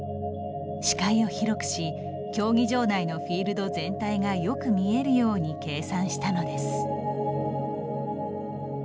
視界を広くし競技場内のフィールド全体がよく見えるように計算したのです。